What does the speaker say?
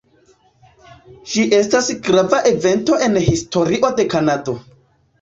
Ĝi estas grava evento en historio de Kanado.